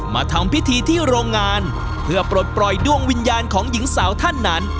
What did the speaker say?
มาทำพิธีที่โรงงานเพื่อปลดปล่อยดวงวิญญาณของหญิงสาวท่านนั้น